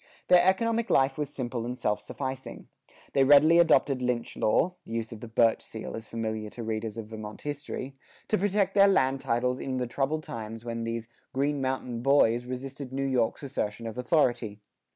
Their economic life was simple and self sufficing. They readily adopted lynch law (the use of the "birch seal" is familiar to readers of Vermont history) to protect their land titles in the troubled times when these "Green Mountain Boys" resisted New York's assertion of authority.